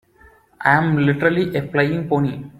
I'm literally a flying pony.